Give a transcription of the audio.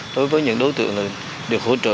đối với những đối tượng được hỗ trợ